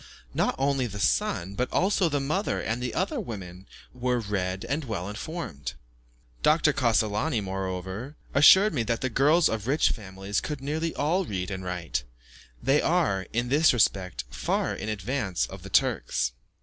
Not only the son, but also the mother and the other women, were read and well informed. Dr. Cassolani, moreover, assured me that the girls of rich families could nearly all read and write. They are, in this respect, far in advance of the Turks.